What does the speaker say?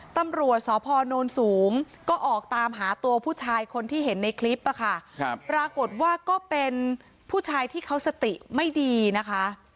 ตำรวจสพนสูงก็ออกตามหาตัวผู้ชายคนที่เห็นในคลิปอะค่ะปรากฏว่าก็เป็นผู้ชายที่เขาสติไม่ดีนะคะ